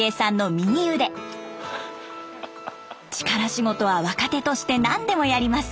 力仕事は若手として何でもやります。